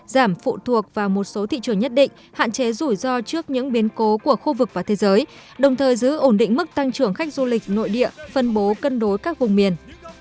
giảm phụ thuộc vào một số thị trường nhất định hạn chế rủi ro trước những biến cố của khu vực và thế giới đồng thời giữ ổn định mức tăng trưởng khách du lịch nội địa phân bố cân đối các vùng miền